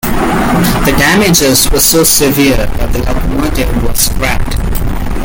The damages were so severe that the locomotive was scrapped.